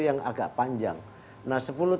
yang agak panjang nah sepuluh